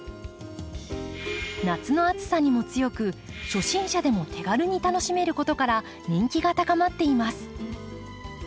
夏の暑さにも強く初心者でも手軽に楽しめることから人気が高まっています。